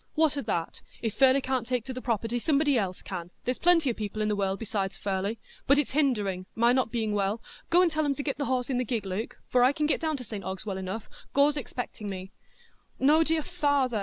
"What o' that? If Furley can't take to the property, somebody else can; there's plenty o' people in the world besides Furley. But it's hindering—my not being well—go and tell 'em to get the horse in the gig, Luke; I can get down to St Ogg's well enough—Gore's expecting me." "No, dear father!"